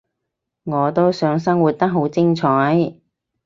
我都想生活得好精彩